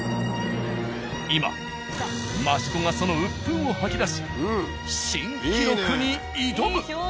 今益子がその鬱憤を吐き出し新記録に挑む！